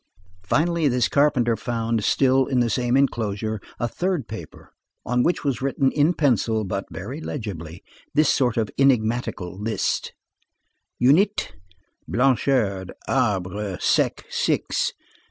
Finally, this carpenter found, still in the same enclosure, a third paper on which was written in pencil, but very legibly, this sort of enigmatical list:— Unité: Blanchard: Arbre Sec.